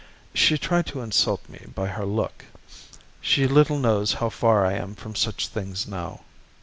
She tried to insult me by her look. She little knows how far I am from such things now.